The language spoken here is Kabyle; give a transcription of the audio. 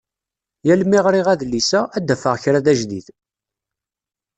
Yal mi ɣriɣ adlis-a, ad d-afeɣ kra d ajdid.